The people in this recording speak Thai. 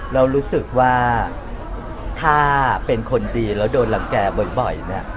เรารู้สึกว่าถ้าเป็นคนดีแล้วโดนหลังแกบ่อย